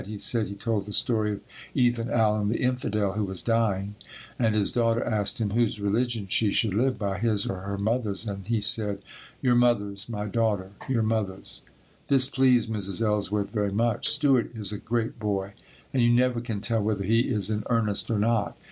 He said he told the story of Ethan Allen, the infidel, who was dying, and his daughter asked him whose religion she should live by, his or her mother's, and he said, "Your mother's, my daughter, your mother's." This pleased Mrs. Ellsworth very much. Stewart is a great boy and you never can tell whether he is in earnest or not.